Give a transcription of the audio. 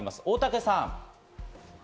大竹さん。